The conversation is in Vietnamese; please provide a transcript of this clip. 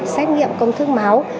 xét nghiệm công thức máu